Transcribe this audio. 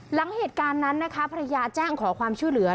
หลังจากนั้นนะคะภรรยาแจ้งขอความช่วยเหลือ